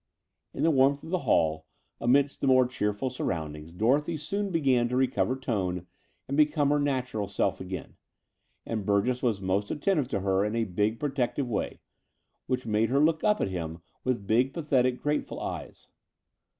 In the warmth of the hall amidst the more cheerful surroundings Dorothy soon began to recover tone and become her natural self again: and Burgess was most attentive to her in a big protective way, which made her look up at him with big, pathetic, grateful eyes.